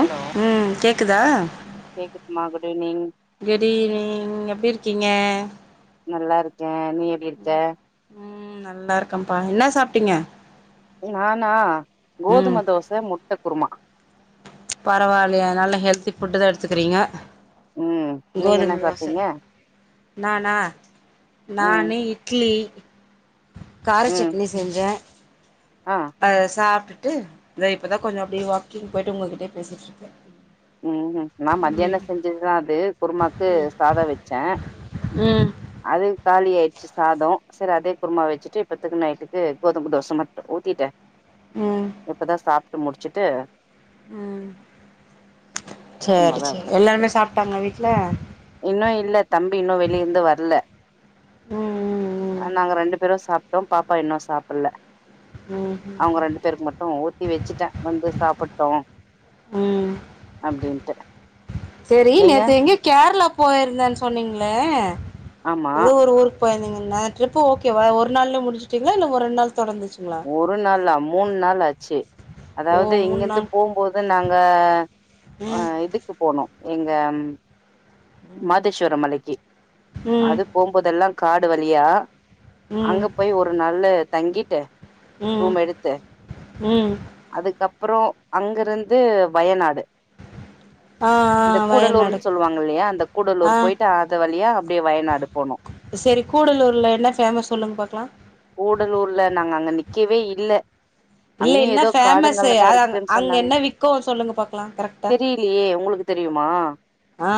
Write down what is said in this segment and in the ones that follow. அ hello ம் கேக்குதா கேக்குதுமா குட் ஈவினிங் குட் ஈவி்னிங் எப்டி இருக் கிங்க நல்லா இருக்கேன் நீ எப்டி இருக்க ம் நல்லா இருக்கன்ப்பா என்னா சாப்பிட்டீங்க நானா கோதும தோச, முட்ட குருமா பரவாயில்லையா நல்ல ஹெல்தி ஃபுட்டு் தான் எடுத்துக்குறீங்க. ம் நீங்க என்ன கோதும தோச சாப்ட்டீங்க நானா ம் நானு இட்லி கார ம் சட்னி செஞ்சேன் ஆ அ சாப்ட்டுட் டு தோ இப்பதான் கொஞ்சம் அப்டியே வாக்கிங் போயிட்டு உங்ககிட்டயே பேசிட்ருக்கே ம் ம் நா மத்தியானம் செஞ்சதுதா அது குருமாக்கு சாதோ வெச்சே ம் அது காலி ஆய் ச சாதோ சரி அதே குருமா வெச்சுட்டு இப்பத்துக்கு நைட்டுக்கு கோதும தோச மட்டும் ஊத்திட்டேன் ம் இப்பதா சாப் டு முடிச்சுட்டு ம் சும்மா சேரி தான் சேரி ஒக்கான்ட்ருக்குகே எல்லாருமே சாப்ட்டாங்களா வீட்ல இன்னும் இல்ல தம்பி இன்னும் வெளிய இருந்து வர்ல ம் ம் அ நாங்க ரெண்டு பேரும் சாப் றோம் பாப்பா இன்னும் சாப்புல்ல ம் ம் அவங்க ரெண்டு பேருக்கு மட்டும் ஊத்தி வெச்சுட்டேன் வந்து சாப்புட்டோம் அப்டின்ட்டு சேரி நீங்க நேத்து எங்கயோ கேரளா போயிருந்தேன்னு சொன்னீங்களே ஆமா எதோ ஒரு ஊருக் போயிருந்திங்கன்ன ட்ரிப்பு ஓகேவா ஒரு நாள்லே முடிச்சுட்டீங்களா இல்ல ஒர் ரெண்ட் நாள் தொடர்ந்துச்சுங்களா ஒரு நாளா மூண் நாள் ஆச்சு ஓ அதாவது மூணு இங்கருந்து நாள் போம்போது நாங்க ஆ ம் இதுக்கு போனோ எங்க மாதேஷ்வர மலைக்கி ம் அது போம்போதெல்லா காடு வழியா ம் அங்க போய் ஒரு நல்ல தங்கிட்டு ம் ரூம் எடுத்து ம் அதுக்கப் அப்றோ அங்கருந்து வயநாடு ஆ இந்த ஆ கூடலூர்ன்னு வயநாடுக் சொல்லுவாங்க இல்லையா அந்த அ கூடலூர் போயிட்டு அது வழியா அப்டியே வயநாடு போனோ செரி கூடலூர்ல என்ன ஃபேமஸ் சொல்லுங்க பாக்கலா கூடலூர்ல நாங்க அங்க நிக்கவே இல்ல இல்ல அங்கயு என்ன ஏதோ ஃபேமஸ் காடுங்கள்லதா அது [unintelligible] இருக்குன்னு அங்க சொன்னாங்க என்ன வி்க்கு சொல்லுங்க பாக்கலா கரெக்ட்டா தெரியலையே உங்களுக்கு தெரியுமா? ஆ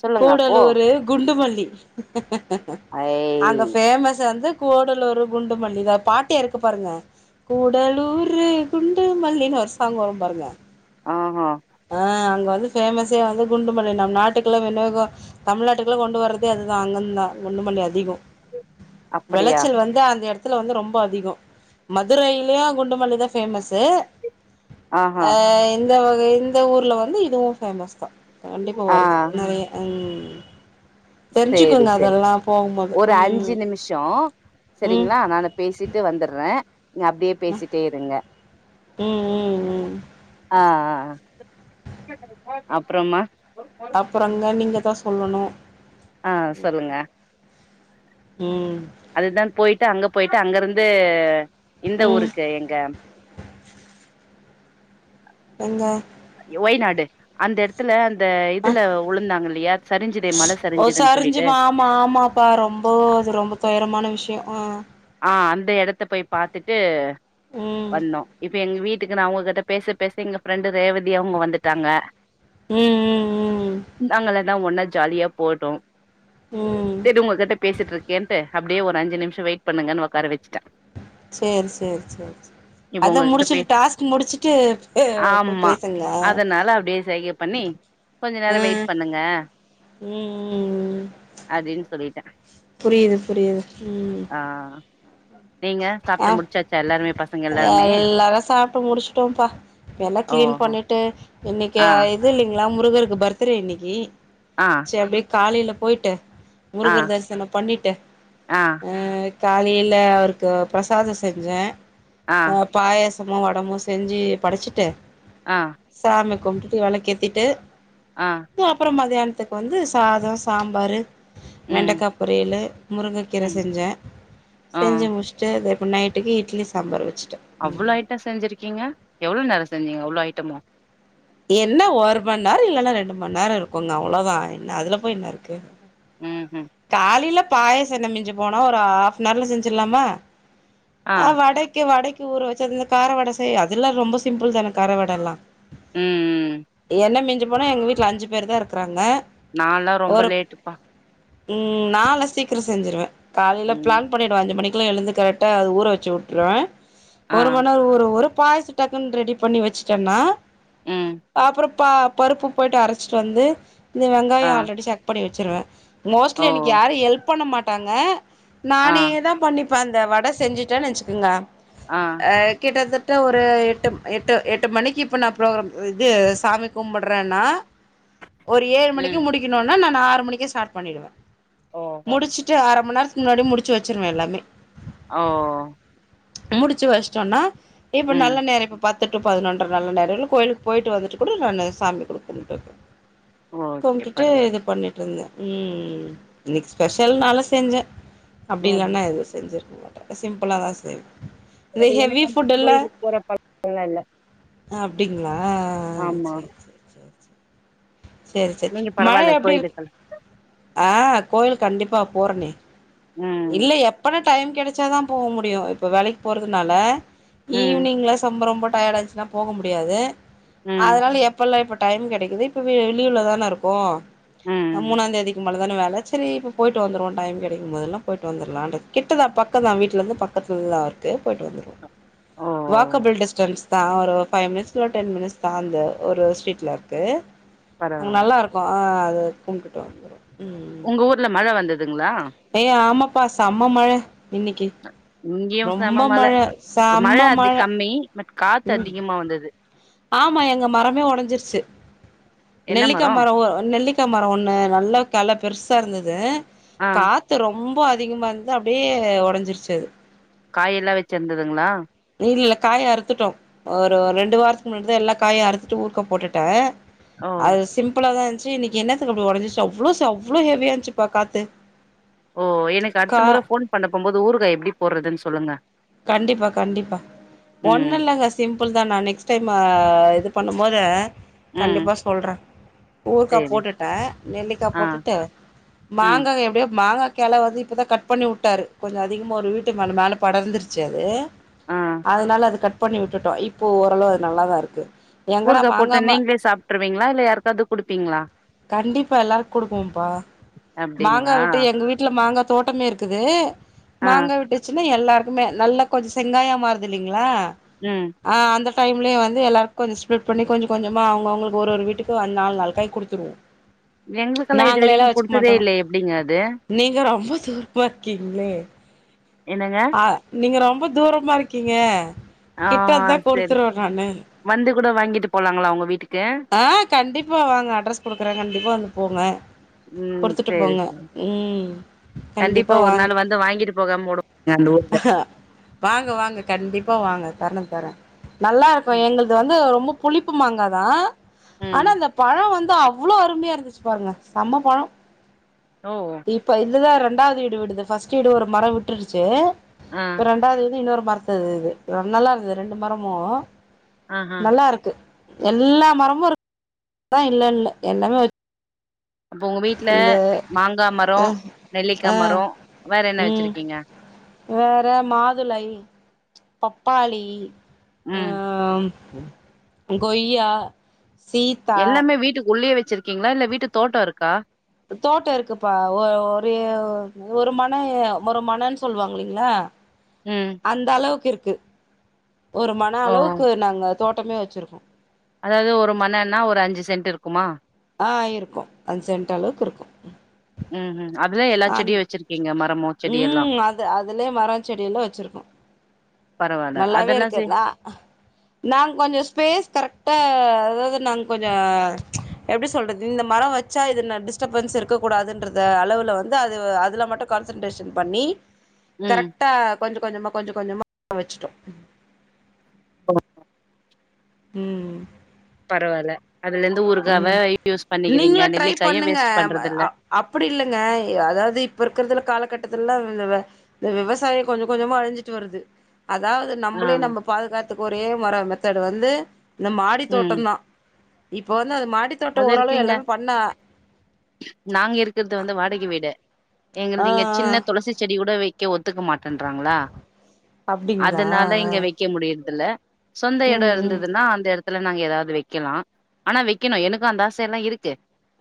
சொல்லுங்க அப்போ கூடலூரு குண்டுமல்லி லி ஐய் அங்க ஃபேமஸ் வந்து கூடலூரு குண்டுமல்லி தா பாட்டே இருக்கு பாருங்க கூடலூரு குண்டுமல்லின்னு ஒரு சாங் வரு பாருங்க ஆஹ ஆ அங்க வந்து ஃபேமஸ்ஸே வந்து குண்டுமல்லி நம் நாட்டுக் குலா வினோக தமிழ்நாட்டுக்குள்ள கொண்டு வர்றதே அதுதா அங்கர்ந்து தா குண்டுமல்லி அதிக அப்படியா வெளச்சல் வந்து அந்த எடத்துக் தில வந்து ரொம்ப அதிகோ மதுரைலையோ குண்டுமல்லி தா ஃபேமஸ்ஸு ஆஹா ஆ இந்த வகை இந்த ஊர்ல வந்து இதுவு ஃபேமஸ் தா கண்டிப்பா ஆ வருது அம் சேரி செரி ஒரு அஞ்சு ம் நிமிஷோ ம் செரிங்களா நானு இத பேசிட்டு வந்துற நீ அப்டியே பேசிட்டேயிருங்க ம் ம் ம் ஆ ஆ ஆ அப்பறம்மா அப்பறங்க நீங்க தா சொல்லணு ஆ சொல்லுங்க ம் அதுதா போயிட்டு அங்க போயிட்டு அங்கருந்து இந்த ம் ஊருக்கு எங்க எங்க ஒய்நாடு அந்த எடத்துல அந் அ மழ ஓ சரிஞ்சுதுன்னு சரிஞ்சி சொல்லிட்டு ஆமா ஆமாப்பா ரொம்ப அது ரொம்ப துயரமான விஷயம் ஆ ஆ அந்த எடத்த போய் பாத்துட்டு ம் வந்தோ இப்ப எங்க வீட் டுக்கு அவகிட்ட பேச பேச எங்க ஃப்ரெண்டு் ரேவதி அவங்க வந்துட்டாங்க ம் ம் ம் ந்தாங்கள எல்லா ஒன்னா ஜாலியா போட்டூ ம் சரி உங்ககிட்ட பேசிட்டு இருக்கேன்ட்டு அப்டியே ஒரு அஞ்சு நிமிஷம் வெய் பண்ணுங்கனு உக்கார வெச் சேரி சேரி சேரி சேரி இப்ப அத உங்ககிட்ட பே முடிச்சுட்டு டாஸ்க் முடிச்சுட்டு போய் ஆமா பேசுங்க ஆ அதனால அப்டியே சைகை பண்ணி கொஞ்ச நேரோ வெயிட் ம் பண்ணுங்க ம் அப்டின்னு சொல்லிட்டே புரியுது புரியுது ம் ஆ நீங்க ஆ சாப்ட்டு முடிச்சாச்சா எல்லாருமே பசங்க எல்லாருமே எல்லாரு சாப்ட்டு முடிச்சுட்டோம்ப்பா எல்லா ஓ கிளீன் பண்ணிட்டு இன்னைக்கு ஆ இது இல்லைங் களா முருகருக்கு பர்த்டே இன்னைக்கி ஆ சே அப்டே காலைல போய்ட்டு ஆ முருகர் தரிசனம் பண்ணிட்டு ஆ அ காலையில அவருக்கு பிரசாதம் செஞ்சே ஆ அ பாயாச சமு வடமு செஞ்சி படச்சிட்டு ஆ சாமி கும்புட்டுட்டு வெளக்கு ஏத்திட்டு ஆ அப்பறம் மதியான த்துக்கு வந்து சாதம் சாம்பாரு ம் வெண்டக்கா பொரியலு முருங்கக்கீர ம் செஞ்சே ஆ செஞ்சு முஸ் எது இப்ப நைட்டுக்கு இட்லி சாம்பார் வெச்சு அவ்ளோ ஐட்டோ செஞ்சிருக்கீங்க எவ்ளோ நேரோ செஞ்சீங்க அவ்ளோ ஐட்டமோ என்ன ஒரு மண் நேரோ இல்லன்னா ரெண்டு மண் நேரோ இருக்குங்க அவ்ளோதா என்ன அதுல போய் என்ன இருக்கு ம் ம் காலிலப் பாயசன்ன மிஞ்சு போனா ஒரு ஆஃப்னார்ல செஞ்சிட்லாமா ஆ வடைக்கு வடைக் ஊர வெச்சு அந்த கார வட செய் அதெல்லா ரொம்ப சிம்பிள் தான கார வட எல்லா ம், ம். என்ன மிஞ்சிப் போனா எங்க வீட்ல அஞ்சு பேர் தா இருக்றாங்க நா லா ரொம்ப லேட்டுப்பா ம் நா லா சீக்கிரோ செஞ்சுருவ காலைல ம். பிளான் பண்ணிடுவ அஞ்சு மணிக் குலா எழுந்து கரெக்டா அத ஊறவெச்சு வுட்ருவே ஆ, ஒரு மண் நேரோ ஊர ஊர பாயச டக்குன்னு ரெடி பண்ணி வெச்சுட்டன்னா ம். அப்றோ பா பருப்பு போயிட்டு அரச்சுட்டு வந்து இந்த ஆ, வெங்காயோ ஆல்ரெடி செக் பண்ணி வெ ச்சுருவ மோஸ்லி ஓ! எனக்கு யாரோ எல்ப் பண்ண மாட் டாங்க ஆ, நானே தா பண்ணிப் ப அந்த வட செஞ்சிட்டனு வெச்சுக்குங்க ஆ, அ கிட்டதட் ட ஒரு எட்டு எட்டு எட்டு மணிக்கு இப்போ நா ப்ரோக்ராம் இது சாமி கும்புட்றேனா ஒரு ஏழு மணிக்கு ம். முடிக்கணுனா நா நா ஆறு மணிக்கே ஸ்டாட் பண்ணிடுவ ஓஹோ! முடிச்சுட்டு அர மண்நேரோ முன்னாடியே முடிச்சு வெச்சுருவே எல்லாமே ஓ முடிச்சு வெஸ்ட்டோனா இப்ப ம். நல்ல நேரோ இப்ப பாத் பத்து டு பதினொன்ர நல்ல நேரோ இல்ல கோயிலுக் போய்ட்டு வந்துட்டு கூட நானு சாமி கூட கும்ட்டு வந் ஓகே. கும்டுட்டு பரவால்ல. இது பண்ணிட்டு இருந்த ம் இன்னைக்கு ஸ்பெஷல்னால செஞ்சே அப்டி ம். இல்லன்னா இது செஞ்சு சிம்பலாத செய் அத என்ன [inaudible] போற பழக்கொல்லா இல்ல அ அப்டிங்களா ஆ ஆ ஆ ஆமா. சேரி சேரி சேரி சேரி சேரி நீங்க மழ பரவால்ல எப்டி இருக்கு கோயிலுக்கெல்லாம் ஆ கோயில் கண்டிப்பா போறனே ம், இல்ல எப்பன டைம் கெடச்சாதா போ முடியு இப்பொ வேலைக் போறதுனால ம், ஈவினிங்ல சம்ப ரொம்ப டயாடாச்சுனா போக முடியாது ம், அதனால எப்பெல்லா இப்ப டைம் கெடைக்குது இப்ப வெளியூர்லதான இருக்கோ ம். மு மூனாந்தேத்திக்கு நம்ளதான வேல செரி இப்ப போயிட்டு வந்துருவோ டைம் கெடைக்கும் போதெல்லா போய்ட்டு வந்துறலான்ட்டு கிட்ட தா பக்கந்தா வீட்ல இருந்து பக்கத்துல தா இருக்கு போய்ட்டு வந்துருவோ ஓ! வாக்கபுள் டிஸ்டன்ஸ் தா ஒரு ஒ ஃபைவ் மினிட்ஸ் இல்ல டென் மினிட்ஸ் தா அந்த ஒரு ஸ்ட்ரீட்ல இருக்கு அங்க பரவால்ல. நல்லா இருக்கு ஆ அத கும்டுட்டு வந்துருவோ ம் உங்க ஊர்ல மழ வந்து துங்க்ளா பா செம்ம மழ இன்னிக்கி இங்கயு செம மழ ஒரு மழ அது கம்மி பட் காத்து ம் அதிகமா வந்தது ஆமா எங்க மரமே ஒடஞ்சிருச்சு என்ன நெல்லிக்கா மரம்? மரோ ஒ நெல்லிக்கா மரோ ஒண்ணு நல்லா கெள பெர்சா இருந்தது ஆ. காத்து ரொம் ரொம்ப அதிகமா இருந்தது அப்டியே ஒடஞ்சிருச்சு அது காய் எல்லா வெச்சிருந்ததுங்களா இல்லல்ல காய அறுத்துட்டோ ஒரு ரெண்டு வாரத்துக்கு முன்னாடி தா எல்லா காய அறுத்துட்டு ஊறுகா போட்டுட்டே ஓ அது சிம்பிள தா இ ச்சு இன்னைக்கி என்னத்துக்கு இப்டி ஒடஞ்சிச்சு அவ்ளோ ச அவ்ளோ ஹெவியா இருந்ச்சுப்பா காத்து ஓ எனக்கு அடுத்த கா முற போன் பண்ண போம் போது ஊறுகா எப்டி போட்றதுன்ஸ் சொல்லுங்க கண்டிப்பா கண்டிப்பா ம் ஒண்ணுல்லெங்க சிம்ப்புள் தா நா நெக்ஸ்ட் டைம் ஆ இது பண்ணும்போது ம் கண்டிப்பா சொல்றே ஊர்கா சேரி போட்டுட்டே நெல்லிக்கா ஆ போட்டுட்டு ம் மாங்கா எப்டியோ மாங்கா கெள வது இப்பதா கட் பண்ணி உட்டாரு கொஞ்சொ அதிகமாக ஒரு வீட்டு மேல மேல படர்ந்துருச் ச்சது ஆ அதனால அது கட் பண்ணி விட்டுட்டோ இப்போ ஓரளவு அது நல்லாதா இருக்கு எங்கடா ஊறுகா போட்டு மாங்காம நீங்களே சாப்ட்ருவீங்களா இல்ல யாருக்காவது குடுப்பீங்களா கண்டிப்பா எல்லார்க் குடுக்குவோம்பா மாங்கா அப்டிங்களா விட்டு எங்க வீட்ல மாங்கா தோட்டமே இருக்குது ஆ மாங்கா விட்டுச்சுனா எ எல்லார்க் குமே நல்லா கொஞ்சொ செங்காயா மாறுதில்லிங்களா ம் ஆ அந்த டைம்லே வந்து எல்லார்க் கொஞ்சொ ஸ்ப்லிட் பண்ணி கொஞ்ச கொஞ்சமா அவங்அவங்களுக்கு ஒரு வீட்டுக்கு நாலு நால் காய் குடுத்துருவோ எங்ளுக்கெல்லா இது வெரிக்கு நாங்களேல்லா வச்சுக்க குடுத்ததே இல்ல எப்டிங்க அது து பார்க்கிங்ளே என்னங்க அ நீங்க ரொம்ப தூரமா இருக்கிங்க ஆ கிட்டர்ந்தா சேரி குடுத்துர்வ நானு வந்து கூட வாங்கிட்டு போலாங்களா உங்க வீட்டுக் ஆ கண்டிப்பா வாங்க அட்ரஸ் குடுக்றெ கண்டிப்பா வந்து போங்க ம் கொடுத்துட்டு சேரி போங்க சேரி உம் கண்டிப்பா ஒரு வாங் நாள் வந்து வாங்கிட்டு போகாம வுடுங்க அந்த ஊறுகா வாங்க வாங்க கண்டிப் பா வாங்க தர்ன தரெ நல்லா இருக்கு எங்கள்து வந்து ரொம்பொப் புளிப்பு மாங்கா தா ம் ஆனா அந்த பழொ வந் து அவ்ளோ அருமையா இருந்துச்சு பாருங்க செம்ம பழொ ஓ இப்ப இதுதா ர ரெண்டாது ஈடு விடுது ஃபர்ஸ்ட்டு ஈடு ஒரு மரொ விட்டுடுச்சி ஆ இப்ப ரெண்டாவது இது இன்னொரு மரத்துது இது நல்லா இருந்தது ரெண்டு மரமூ ஆஹா நல்லா இருக்கு எல்லா மரொ முருக் இதா இல்லல்ல எல்லாமே வச் அப்போ உங்க வீட்ல மாங்கா மரே நெல்லிக்கா‌ ஆ மரோ வேற என்ன ம் வச்சிருக்கீங்க வேற மாதுளை பப்பாளி ம். ஆஹ கொய்யா சீத்தா எல்லாமே வீட்டுக்கு உள்ளேயே வெச் ச்சிருக்கீங்களா இல்ல வீட்டு தோட்டோ இருக்கா தோட்ட இருக்குப்பா ஒர் ஒரு ஒரு மனைய்ய ஒரு மனன் சொல்லுவாங் இல்லீங்களா ம். அந்த அளவுக்கு இருக் க்கு ஒரு மன ஓ! அளவுக்கு நாங்க தோட்டமே வச்சுருக்கோ அதாவது ஒரு மனன்னா ஒரு அஞ்சு சென்ட் இருக்குமா ஆ இருக்கு அஞ்சு சென்ட் அளவுக்கு இருக்கு. ம் ம். அதிலேயே எல்லா அந் செடியு வெச்சிருக்கீங்க மா ம் அது அதுலயே மரோ செடியெல்லா வச்சிருக்கோ. பரவால்ல. நல்லாவே அதெல்லா சே இருக்குதா நாங் கொஞ்சோ ஸ்பேஸ் கரெக்டா அதாவது நாங் கொஞ்சோ எப்டி சொல்றது இந்த மரோ வச்சா இது ந டிஸ்ட்டபன்ஸ் இருக்கக்க கூடாதுன்றத அளவுல வந்து அதுவு அதுல மட்டு கான்சன்ட்ரேஷன் பண்ணி ம். கரெக்டா கொஞ்சோ கொஞ்சமா கொஞ்ச கொஞ்சமா வச்சுட்டோ ஓ ம். பரவால்ல அதுலருந்து ஊறுகாவ ம் யூஸ் பண்ணிக்கிறீங்க. நீங்களு ட்ரை நெல்லிக்காய பண்ணுங்க வேஸ்ட் பண்றதில்ல. அ அப்படி இல்லங்க அதாவது இப்ப இருக்கிறதுல காலகட் ட்டத்தில இந்த வெ இந்த விவசாயோ கொஞ்ச கொஞ்சமா அழிஞ்சிட்டு வருது அதாவது ஆ. நம்பளே நம்ப பாதுகாத் க்கு ஒரே மர மெத்தடு வந்து இந்த மாடி தோட்ட ம். தா இப்போ அது இருக்கீங்க நாங்க இருக்கிறது வந்து வாடகை வீடு ஆ ஆ எங்கள்து இங்க சின்ன துளசி செடி கூட வெய் கே ஒத்துக்க மாட்டன்றாங்களா அப்டிங்களா அதனால ஆ ஆ இங்க வெய்க்க முடியனு தில்ல சொந்த எட ம் இருந்ததுன்னா அந்த எடத் துல நாங்க எதாவ்து வெக்கலா ஆனா வெக்கணு எனக் கு அந்த ஆசயெல்லா இருக்கு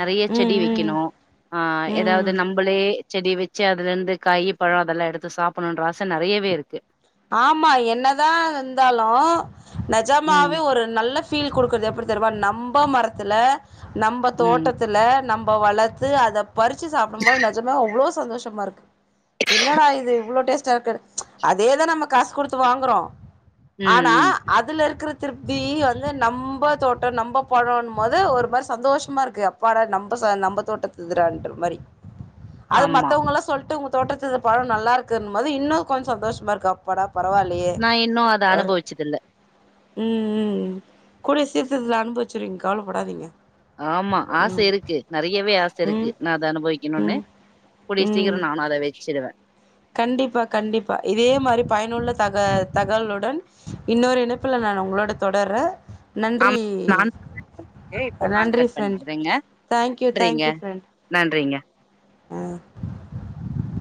நெறைய ம் செடி ம் வெக்கணோ அ ம் எதாவ்து ம் நம்பளே செடி வெச்சு அதுல இருந்து காயி பழோ அதெல்லா எடுத்து சாப்பணுன்ற ஆச நெறையவே இருக்கு ஆமா என்னதா இருந்தாலு ம் நெஜமாவே ஒரு நல்ல ஃபீல் குடுக்குற்து எப்படி தெரியுமா நம்ப மரத்துல நம்ப ம் தோட்டத்துல நம் ப வளத்து அத பறிச்சு சாப்டும் போது நஜமா அவ்ளோ சந்தோஷமா இருக்கு என்னடா இது இவ்ளோ டேஸ்ட் [unintelligible] இதேதா நம்ம காஸ் குடுத்து வாங்குறோ ம் ஆனா ம் அதுல இருக்குற திருப்தி வந்து நம்ப தோட்டோ நம்ப பழோன்மோது ஒரு மாரி சந்தோஷமா இருக்கு அப்பாட நம்ப ச நம்ப தோட்டத்துதுறான்ற மாரி அது ஆமா மத்தவுங்கல்லா சொல்ட்டு உ தோட்டத்துது பழோ நல்லா இருக்குன்மோது இன்னு கொஞ்சோ சந்தோஷ மா இருக் அப்படா நா இன்னு அத அனுபவிச்சதில்ல ம் ம் கூடிற சீக்கர்துல அனுபவிச்சுர்வீங் கவலப்படாதீங்க ஆமா ஆச ம் இருக்கு நெறையவே ஆச இருக்கு ம் நான அத அனுபவிக்கணுனு ம் கூடிய சீக்கிரோ ம் நானு அத வெச்சிடுவே கண்டிப்பா கண்டிப்பா இதே மாரி பயனுள்ள தக தகவலுடன் இன்னொரு இணைப்புல நா உங்களோட தொடர்றே நன்றி ஆமா நான் போயிட்டு இப்போ நான் நன்றி கட் ஃப்ரெண்ட் பண்ணிக்கிறேங்க தேங்க்யூ நன்றிங்க தேங்க்யூ ஃப்ரெண்ட் நன்றிங்க அ